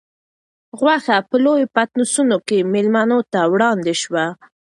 غوښه په لویو پتنوسونو کې مېلمنو ته وړاندې شوه.